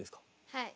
はい。